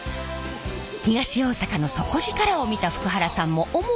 東大阪の底力を見た福原さんも思わず。